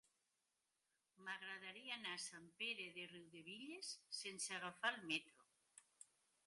M'agradaria anar a Sant Pere de Riudebitlles sense agafar el metro.